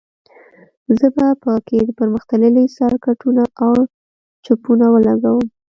زه به په کې پرمختللي سرکټونه او چپونه ولګوم